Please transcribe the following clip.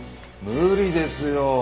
無理ですよ。